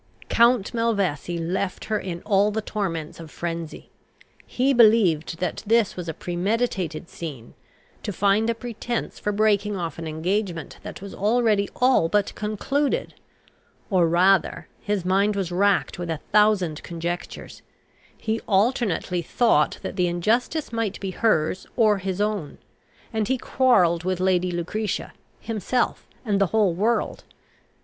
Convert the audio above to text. Count Malvesi left her in all the torments of frenzy. He believed that this was a premeditated scene, to find a pretence for breaking off an engagement that was already all but concluded; or, rather, his mind was racked with a thousand conjectures: he alternately thought that the injustice might be hers or his own; and he quarrelled with Lady Lucretia, himself, and the whole world.